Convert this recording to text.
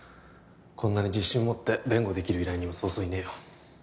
こんなに自信持って弁護できる依頼人はそうそういねえよ